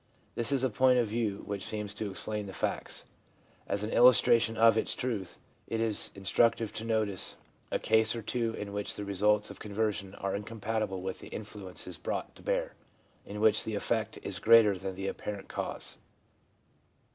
This is a point of view which seems to explain the facts. As an illustration of its truth, it is instructive to notice a case or two in which the results of conversion are incompatible with the influences brought to bear — in which the effect is greater than the apparent cause.